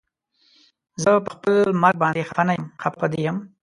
زه پخپل مرګ باندې خفه نه یم خفه په دې یم